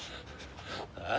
ああ？